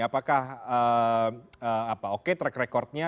apakah oke track recordnya